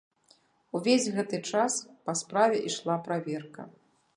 Увесь гэты час па справе ішла праверка.